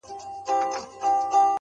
د باز له ځالې باز ولاړېږي -